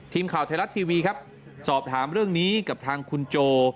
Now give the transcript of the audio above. ทีมข่าวไทยรัฐทีวีครับสอบถามเรื่องนี้กับทางคุณโจ